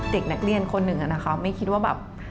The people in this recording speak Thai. เด็กนักเรียนคนหนึ่งอะนะคะไม่คิดว่าแบบ